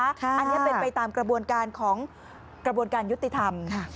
อันนี้เป็นไปตามกระบวนการของกระบวนการยุติธรรม